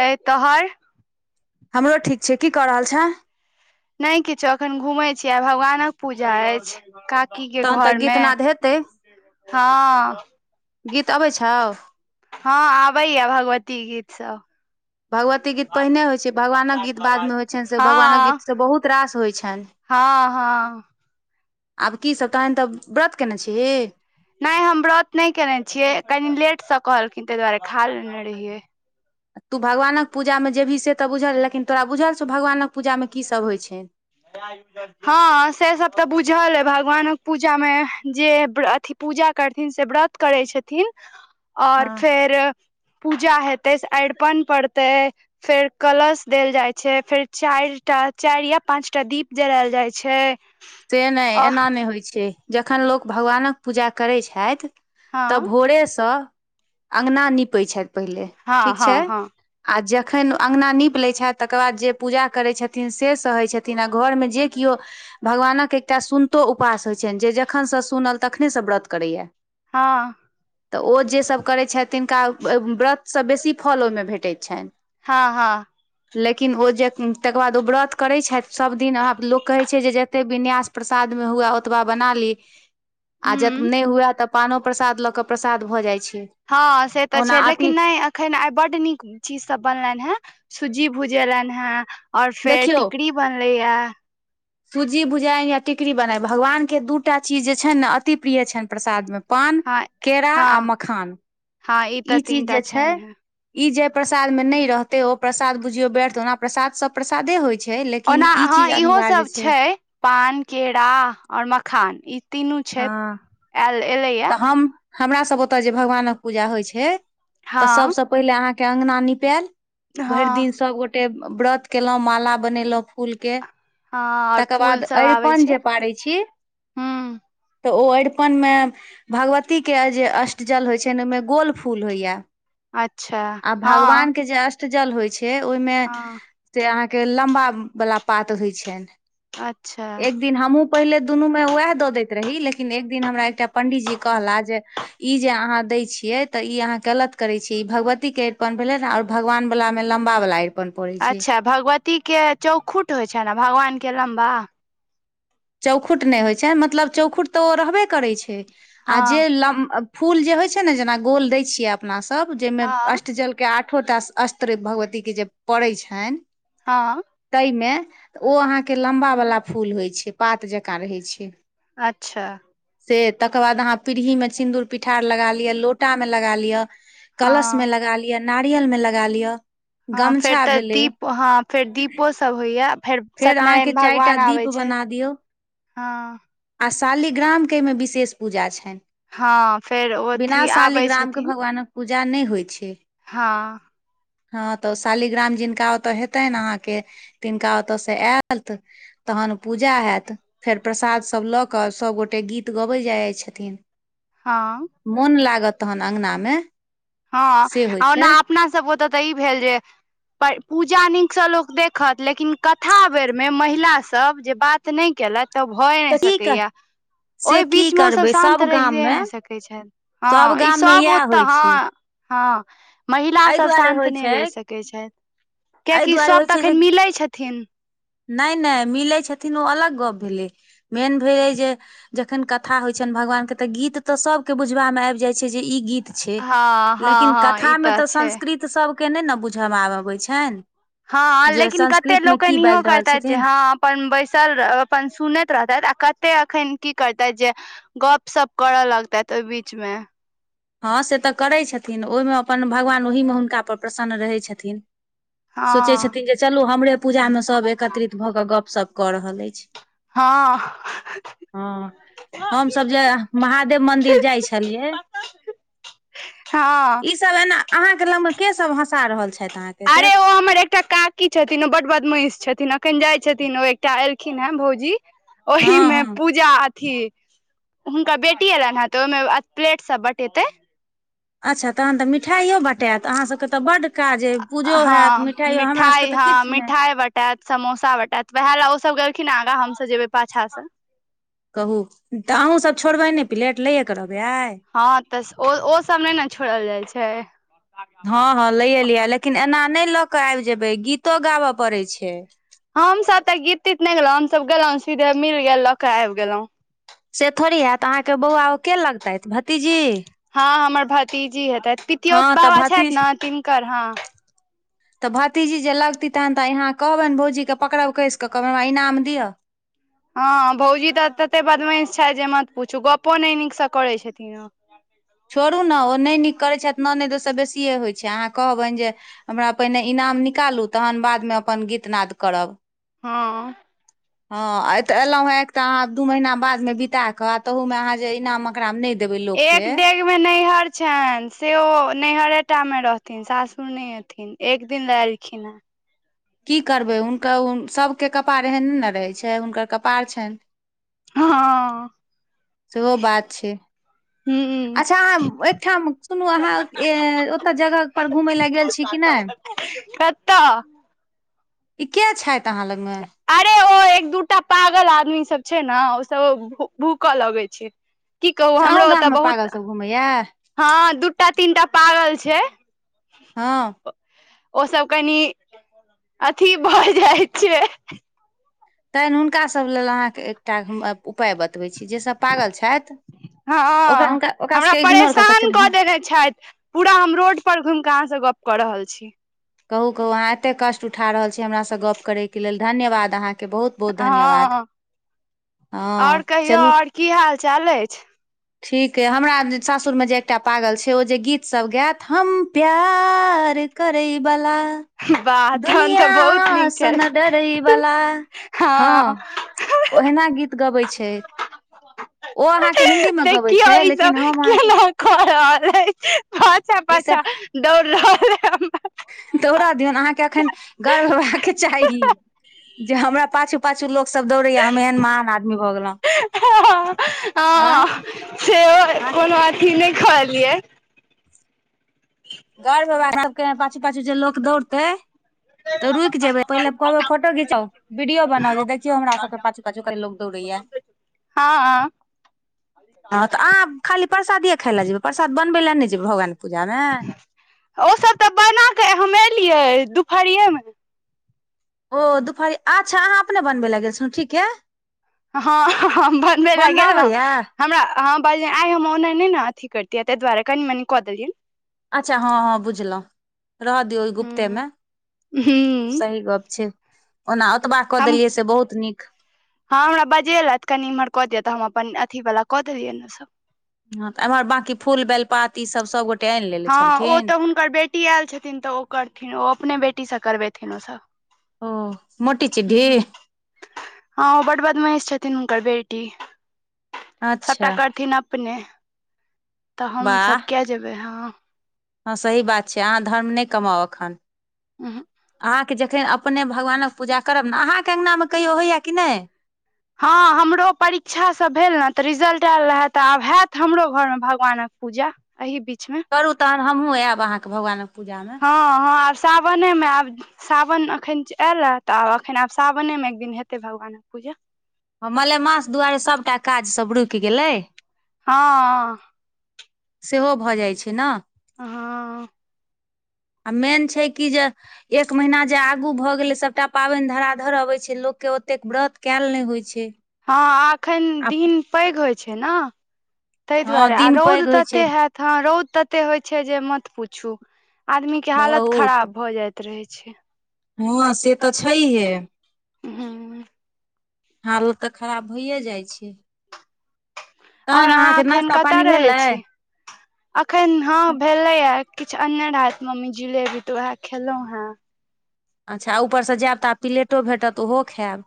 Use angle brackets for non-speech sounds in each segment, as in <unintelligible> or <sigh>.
ए तोहर हमरो ठीक छेय की कऽ रहल छ नहि किछो अखन घूमै छी आ भगवानक पूजा अछि क की के तहन तऽ घर मे गीतनाद हेतै हँ गीत अबै छहो हँ आबैया भगवती गीत सब भगवती गीत पहिने होइ छै भगवानक गीत बादमे होइ छनि से भगवानक हँ गीतसँ बहुत रास होइ छनि हँ हँ आब कीसभ तहन तऽ व्रत कयने छिही नहि हम व्रत नहि केने छियै कनी लेटसँ कहलखिन ताहि दुआरे खा लेने रहियै तूँ भगवानक पूजामे जेबही से तऽ बुझल लेकिन तोरा बुझल छौ भगवानक पूजामे कीसभ होइ छैनि हँ से सब तऽ बुझल अइ भगवानक पूजामे जे अथी पूजा करथिन से व्रत करै छथिन आओर हँ फेर पूजा हेतै से अरिपन पड़तै फेर कलश देल जाइ छै फेर चारि टा चारि य पांचटा दीप जलायल जाय छै से नहि अ एना नहि होइ छै जखन लोक भगवानक पूजा करैत छथि तऽ हँ भोरेसँ अंगना नीपै छथि पहिले हँ ठीक छै हँ हँ आ जखन अंगना नीप लै छैथ तकर बाद जे पूजा करैत छथिन से सहैत छथिन। घरमे जे किओ। भगवानक एकटा सुनितो उपवास होइत छनि जे जखनसँ सुनल तखनेसँ व्रत करैया। हँ। तऽ ओ जेसभ करैत छथि तिनका व्रतसँ बेसी फल ओहिमे भेटैत छनि। हँ हँ। लेकिन ओ जे तकर बाद ओ व्रत करैत छथि सभदिनह लोक कहैत छै जे। ते विन्यास प्रसाद मे हुए ओतबा बना ली आ जब हूँ नहि हुए तब। पानो प्रसाद लऽ कऽ प्रसाद भऽ जाइ छै। हँ से तऽ ओना छैै लेकिन अथी नहि। एखन आइ बड्ड नीक चीजसभ बनलनि हेँ सुूजी भुजेलनि हेँ। और फेर टिकरीी बनले ये। सुजी भुजइ या टिकड़ी बनाय भगवान के दू टा चीज जे छनि ने अति प्रिय छनि प्रसादमे। पान हँ केरा आ हँ मखान हँ तऽ ई तीन चीज टा जे छै। छनि हे ई जय प्रसाद में नहि रहते ओ प्रसाद बुझियौ व्यर्थ ओना प्रसाद सब् प्रसादे होइत छै। छै ओना लेकिन ई हँ चीज इहो सब अनिवार्य छै। पान केरा और मखान ई तीनू छै हँ आयल एले य। तऽ हम हमरा सब ओत्ते जे भगवानक जे पूजा होए छय त सब हँ सब पेहला आहा के अंगना निपेल भैर हँ दिन सबगो टे व्रत केलो माला बनेलो फूल के हँ आओर तकर फूल बाद सब आबै अरिपन छै जे पारै छी हूँ तऽ ओ अरिपनमे भगवतीके जे अष्टजल होइ छैन ओइमे गोल फूल होइए अच्छा आ हँ भगवान के जे अष्ट -ट जल होइ छै ओइमे हँ से अहाँके लम्बा बला पात होइ छैन अच्छा दिन हमहूँ पहिले दुनू मे उएह दऽ दैत रही लेकिन एकदिन हमरा एकटा पंडीजी कहला जे ई जे अहाँ दय छियै तऽ ई अहाँ गलत करे छी ई भगवती के अरिपन भेले आर भगवान बलामे लम्बावला अच्छा भगवतीके चौखुट होइ छैन अ भगवानके लम्बा चौखुट नय होइ छै मतलब चौखुट तऽ ओ रहबे करै छै आ हँ जे लम फूल जे होइ छै ने जेना गोल दै छियै अपनासभ जइमे हँ अष्टजल के आठो टा अस्त्र भगवती के जे पड़ै छैन हाँ तइमे ओ अहाँके लम्बावला फूल होइ छै पात जकाँ रहै छै अच्छा से तकर बाद अहाँ पीढ़ीमे सिन्दूर पिठार लगा लिअ लोटामे लगा लिअ कलश मे हँ लगा लिअ नारियल मे लगा लिअ हँ फेर गमछा तऽ भेलै दीप हँ फेर दीपो सब होइए फेर अहाँके सत्यनारायण चारि भगवान टा आबै दीप छैथ बना दियौ हँ आ शालीग्रामके एइमे विशेष पूजा छैन हँ फेर बिना अथी आबै शालीग्राम के छथिन भगवानक पूजा नय होइ छै हँ हँ तऽ शालीग्राम जिनका ओते हेतेन अहाँ के तिनका ओता ओतऽ से ऐत तहन पूजा हेत फेर प्रसादसभ लऽ कऽ सभगोटे गीत गबैत जाइ जाइत छथिन हँ मोन लागत तहन अङगना में हँ आ ओना अपना सब ओतऽ तऽ ई भेल जे पर पूजा नीकसँ लोक देखत लेकिन कथा बेरमे महिला सब जे बात नइ केलथ तऽ भय नय तऽ की कर सकैया से ओइ की बीचमे ओसभ करबै शान्त सब गाम रहिए मे नय सकैत छैथ सब हँ गाम मे ईसभ इएह ओतऽ होइ छै हँ हँ महिला एहि सब दुआरे शान्त होइ नय छै रेह सकैत छैथ एहि कियकि सब तखन मिल लए छथिन नय नय मिले छथिन ओ अलग गप्प भेलै मेन भेलै जे जखन कथा होइ छैन भगवान के तऽ गीत तऽ सभके बुझबामे आएब जाइ छै जे ई गीत छै हँ हँ लेकिन हँ ई कथामे तऽ छै संस्कृत सभके नै न आब बुझब आबैन छेन हँ लेकिन कते लोकेन इहो रहल करतेथ जे छथिन हँ अपन बैसल अपन सुनैत रहतेथ आ कते एखन की करतेथ जे गपशप करऽ लगतेथ ओइ बीच मे हँ से तऽ करै छथिन ओइमे अपन भगवान ओहिमे हुनकापर प्रसन्न रहै छथिन सोचै हँ छथिन जे चलू हमरे पूजामे सभ एकत्रित भऽ कऽ गपशप कऽ रहल एछ हँ हँ हमसब जे महादेव मदिर जाइ छलियै हँ ई सब एना अहाँके लग मे के सब हँसा रहल छैथ अहाँके एतेक अरे ओ हमर एकटा काकी छथिन ओ बड बडमैष छथिन एखन जाय छथिन ओ एकटा एलखिन हे भौजी हँ ओहिमे हँ पूजा अथी हुनकर बेटी एलैन हन‌ तऽ ओहिमे प्लेट सब बटेतै अच्छा तखन तऽ मिठाइयो बटेत अहाँसभके तऽ बड्ड काज आय पूजो हेत हँ मिठाइयो हमरा सबके तऽ किछ नै बटात समोसा बटेत वएह लए ओ सब गेलखिन आगा हमसभ जेबै पाछा से कहू तऽ अहूँसभ छोड़बै नै प्लेट लैएके रहबै आइ हँ तऽ ओ ओसभ नै न छोड़ल जाइ छै हँ हँ लैए लियै लेकिन एना नै लऽ कऽ आइब जेबै गीतो गाबय पड़ै छै हमसब त गीत तीत नै गेलहुं हमसब गेलहुॅं सीधे मिल गेल लऽ के आइब गेलों से थोड़ी हेत अहाँके बौआ ओ के लगतैथ भतीजी हँ हमर भतीजी हेतै पितियोत हँ तऽ बाबा छैथ भतीज ने तिनकर हँ तऽ भतीजी जे लगती तहन तऽ यहाँ कहबनि भौजीके पकड़ब कैस कऽ कहबैन हमरा इनाम दिअ हँ भौजी तऽ तते बदमैश छैथ जे मत पूछू गपो नै नीकसँ करै छथिन ओ छोड़ू ने ओ नहि नीक करै छैथ ननैद ओय स बेसिए होइत छै अहाँ कहबैन जे हमरा पहिने इनाम निकालू तखन बादमे अपन गीतनााद करब हँ हँ तऽ एलहु हे एक तऽ अहाँ दू महीना बाद मे बिताके तहू मे अहाँ जे इना मे ओकरामे नै देबै एक लोकके डेग मे नैहर छैन से ओ नैहरेटा मे रहथिन सासुर नै एथिन एक दिन ल एलखिन हँ की करबै हुनकर सभके कपार एहने ने रहै छै हुनकर कपाार छैन हँ सेहो बात छै हुॅं अच्छा अहाँ एकठाम सुनू अहाँ ओतय जगह पर घुमै ल गेल छी कि नै कतऽ ई के छैथ अहाँ लगमे अरे ओ एक दूटा पागल आदमी सब छै न ओ सब भूक लगै छै की कहू अहूँ हमरो ओतऽ गाममे पागल बहुत सब घुमैया हँ दूटा तीनटा पागल छै हँ ओ सब कनी अथी भ जाय छै तहेन हुनकासभ लेल अहाँके एकटा हम उपाय बतबै छी जेसभ पागल छैथ ओकरा हँ हुनका ओकरा सबके इग्नोर कऽ के चलन छैथ पूरा हम रोड पर घुइम कऽ अहाँ से गप कऽ रहल छी कहू कहू अहाँ एते कष्ट उठा रहल छी हमरासँ गप्प करय के लेल धन्यवाद अहाँके बहुत बहुत धन्यवाद हँ हँ आओर कहियौ चलू आओर की हाल चाल अछि ठीक अइ हमरा सासुरमे जे एकटा पागल छै ओ जे गीतसभ गेएत हम प्यार करै वला वाह तहन तऽ बहुत नीक दुनियासँ छै नै डरैवला हँ ओहिना गीत गबै छै ओ अहाँके हिन्दी म <unintelligible> ईसभ <unintelligible> दौड़ा दियौन अहाँके एखन गर्व हेबाक चाही जे हमरा पाछू पाछू लोग सब दौड़ेया हम एहन महान आदमी भऽ गेलो <inaudible> से अहाँके कोनो अथी नय कहलियै गर्व <inaudible> बला सबके पाछू पाछू जे लोक दौड़तै तऽ रुइक जेबै पहिले कहबै फोटो घिचाओ वीडियो बनाउ जे देखियो हमरा सबके पाछू पाछु कते लोग दौड़ेया हाँ हँ तऽ आब खाली प्रसादिए खायइ लए जेबै परसाद बनबै लए नय जयबै भगवानके पूजामे ओसभ तऽ बना कऽ हम एलियै दुपहरिएमे ओ दुपहारी अच्छा अहाँ अपने बनबै लए गेल छलो ठीके हँ हँ बनबै ला बनबऽ गेलो अबैया हमरा हँ बड़िया आइ हम ओनाइ नय ने अथी करितियै तइ दुआरे कनि मनि कऽ देलियेन अच्छा हँ हँ बुझलो रहऽ दियौ ओ हूँ गुप्तेमे सही गप छै ओना ओतबा कऽ हम देलियै से बहुत नीक हँ हमरा बजैलेथ कनि इम्हर कऽ दियअ तऽ हम अपन अथी वला कऽ देलियैन वो सभ ह तऽ एम्हर बंकी फूल बेलपात ई सब सबगोटाे हँ ओ तऽ हुनकर बेटी आयल छथिन तऽ ओ करथिन ओ अपने बेटीसँ करबेथिन ओसभ ओ मोटी चिढी हँ ओ बड बदमेश छथिन हुनकर बेटी सभटा अच्छा करथिन अप पने तऽ हम वाह सब किया जेबै ह हँ सही बात छै अहाँ धर्म नय कमाउ एखन उहूँ अहाँके जखन अपने भगवानक पूजा करब ने अहाँके अङ्गनामे कहियो होइए कि नय हँ हमरो परीक्षा सब भेल ने तऽ रिजल्ट आयल रहा त आब हैत हमरो घरमे भगवानक पूजा एही बीच में करू तहन हमहूँ ऐब अहाँके भगवानक पूजा मे हँ हँ आब सावनेमे आएब सावन एखन आयल तऽ आब एखन आब सावने मे एक दिन हेतै भगवानक पूजा ह मलेमास दुआरे सभटा काज सब रुइक गेलै हँ सेहो भऽ जाइ छै न हँ आ मेन छै कि जे एक महीना जे आगू भऽ गेलै सभटा पाबनि धरा धर अबै छै लोककेँ ओतेक व्रत केल नय होइ छै हँ एखन आ दिन पैघ होइ छै ने तेइ हँ दुआरे आ दिन रौद पैघ होइ तते छै होयत ह रौद तते होय छै जे मत पूछु आदमी के हालत बहुत खराब भऽ जायत त रहै छै हँं से तऽ छहिए हूँ हालत तऽ खराब भइए जाए छै ओर तहन अहाँ अहाँके एखन नाश्ता कतय पानी रहै भेलै छी अखन हँ भेलेए किछु अनने रहैत मम्मी जिलेबी तऽ उएह खेलहुं हें अच्छा ऊपरसँ जेएब तऽ आब प्लेटो भेटत ओहो खेएब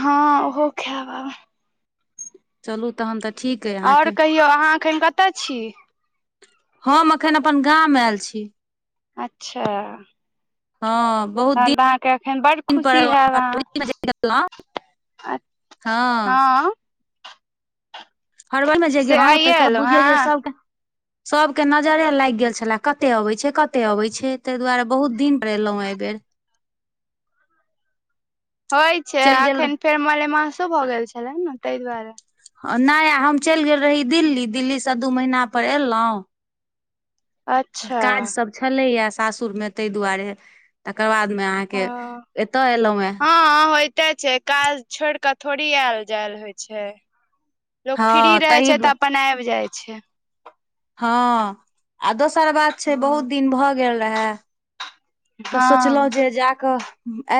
हँ ओहो खेएब आब चलू तहन तऽ ठीक अय आओर कहियौ अहाँ एखन कतय छी। हम अखन अपन गामं मे एल छी। अच्छा। हँ। बहुत तहन तऽ अहाँके एखन बड दिन खुशी पर हेएब अहाँ। फरवरीमे जे गेलहुँ, अ हँ। हरबल मे जे से आइए तैके बाद एलहुँ बुझियौ जे हेँ सबके सबके नजरे लैग गेल छले कते अबे छै कते अबे छै ताहि दुआरे। बहुत दिन पर एलहुॅं एहिबेर होइ छै चलि गेल अखन फेर मलेमासो भऽ गेल छले ने ताहि दुआरे नै आ हम चैल गेल रही दिल्ली दिल्ली से दू महीना पर एलौ अच्छा काज सभ छलैए सासुरमे तै दुआरे तकर बाद मे ओ अहाँके एत एलौ हे। कते छै काज छोड़ क थोड़ी आयल जल होइ छै। लोक फ्री हँ रहै ताहि छै दुआ तऽ अपन आइब जाय छै। हँ आ दोसर बात छै बहुत हँ दिन भऽ गेल रहे तऽ सोचलहुँ हँ जे जा कऽ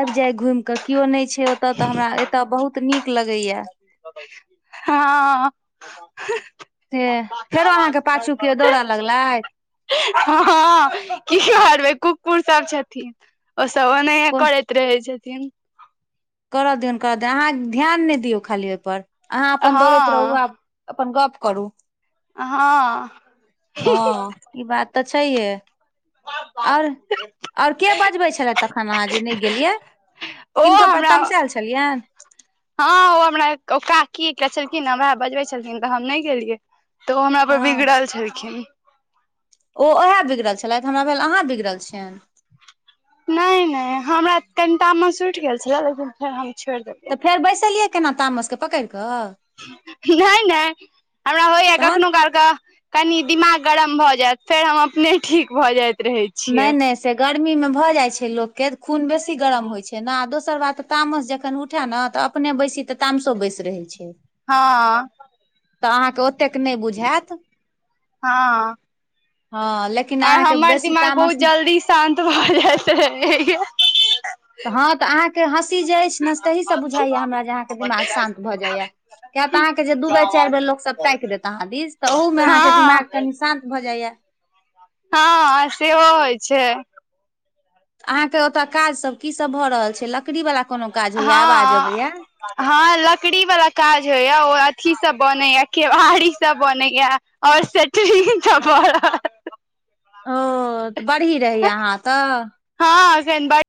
आबि जाय घुइम कऽ किओ नै छै ओत ओतय तऽ हमरा एतय बहुत नीक लगैया। हँ। ह फेरो अहाँ के पाछू किओ दौड़ लगलै। हँ की करबै कुकुर सब छथिन। ओसभ ओनाहिये कोन करैत रहै छथिन। करऽ दियौन करऽ दियौ अहाँ ध्यान नै दियौ खाली ओहिपर अहाँ अपन दौड़ैत रहू हँ आब अपन गप करू। अ हँ। हँ ई बात तऽ छैहे। आओर ओर के बजबै छले तखन अहाँ जे नै गेलियै। ओ किनको पर हमरा तमसेल छलियैन हँ ओ हमरा काकी के छलखिन हमरा बजबै छलखि। न तऽ हम नै गेलियै। तऽ ओ हमरा पर हँ बिगड़ल छलखिन। ओ ओहे बिगड़ल छलैथ हमरा भेल अहाँ बिगड़ल छियैन नै‌नै हमरा कनि तामस उइठ गेल छलै लेकिन फेर हम छोड़ि देल तऽ फेर बैसलियै केना तामसके पकैर कऽ। नै नै हमरा होय यऽ तहन कखनो काल कऽ कनी दिमाग गरम भए जायत फेर हम अपने ठी। क भए जायत रहै छी नै नै से गर्मीमे भऽ जाइ छै लोकके खून बेसी गरम होइ छै ने दोसर बातऽ तामस जखन उठए ने तऽ अपने बैसी तऽ तामसो बैस रहै छै हँ। त अहा के ओतेक नै बुझेत हँ लेकिन और अहाँके हमर बेसी दिमाग बहुत तामस तऽ जल्दी शान्त भऽ जैत रहै य तऽ हँ तऽ अहाँके हँसी जे अछि ने तहीस बुझाइए हमरा जे अहाँके दिमाग शान्त भऽ जाइए। किया तऽ अहाँ के जे दू बेर चारि बेर लोक सब ताकि देत अहाँ दिस तऽ ओहू मे अहाँ के हँ दिमाग कनी शान्त भऽ जाय। हँ सेहो होइ छै। अहाँके ओतय काजसभ कीसभ भऽ रहल छै लकड़ी वाला कोनो काज होइया आवाज हँ अबैया। हँ लकड़ी वाला काज होइया ओ अथी सब बनैया केवाड़ी सब बनैया आओर सेटरिंग सब भऽ रहल ओ बरही रहय अहाँ ओत हँ एखन बर